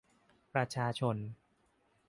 ประชาชน